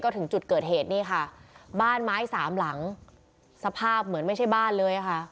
ถึงจุดเกิดเหตุนี่ค่ะบ้านไม้สามหลังสภาพเหมือนไม่ใช่บ้านเลยค่ะ